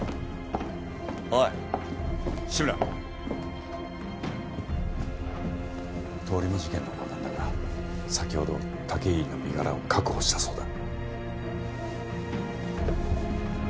おい志村通り魔事件のほうなんだが先ほど武入の身柄を確保したそうだ